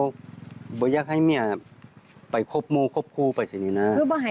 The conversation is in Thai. ไม่อยากให้เมียไปครบมูครบครูไปสินะ